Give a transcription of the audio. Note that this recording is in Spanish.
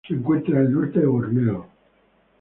Se encuentra al norte de Borneo.